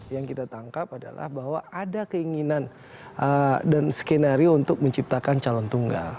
yang kita tangkap adalah bahwa ada keinginan dan skenario untuk menciptakan calon tunggal